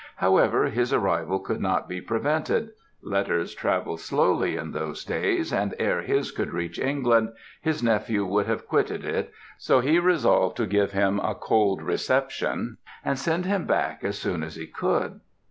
However, his arrival could not be prevented; letters travelled slowly in those days, and ere his could reach England his nephew would have quitted it, so he resolved to give him a cold reception and send him back as soon as he could.